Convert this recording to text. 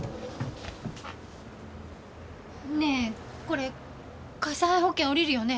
ねぇこれ火災保険おりるよね？